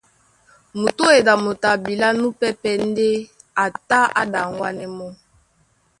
Mutúedi a motoi abilá núpɛ́pɛ̄ ndé a tá a ɗaŋwanɛ mɔ́.